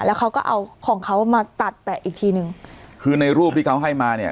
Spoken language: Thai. แล้วเขาก็เอาของเขามาตัดแปะอีกทีนึงคือในรูปที่เขาให้มาเนี่ย